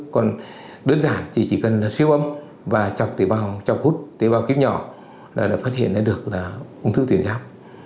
còn đơn giản thì chỉ cần là siêu âm và chọc tế bào chọc hút tế bào kim nhỏ là đã phát hiện ra được là ung thư tuyệt giáp